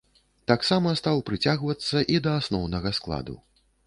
Таксама стаў прыцягвацца і да асноўнага складу.